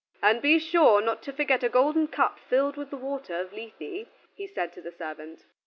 "And be sure not to forget a golden cup filled with the water of Lethe," he said to the servant.